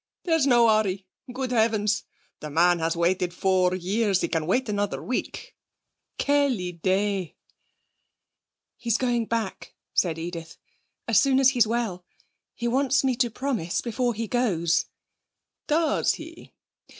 'There's no hurry. Good heavens! the man has waited four years; he can wait another week. Quelle idée!' 'He's going back,' said Edith, 'as soon as he's well. He wants me to promise before he goes.' 'Does he!